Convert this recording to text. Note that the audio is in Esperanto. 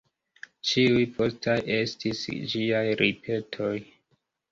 Ĉiuj postaj estis ĝiaj ripetoj.